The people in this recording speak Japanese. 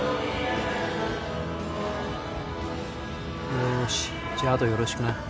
よーしじゃあ後よろしくな。